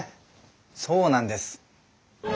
そうなんです。